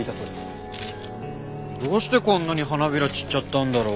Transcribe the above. どうしてこんなに花びら散っちゃったんだろう？